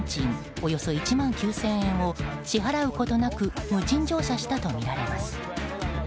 およそ１万９０００円を支払うことなく無賃乗車したとみられます。